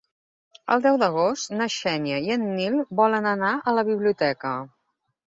El deu d'agost na Xènia i en Nil volen anar a la biblioteca.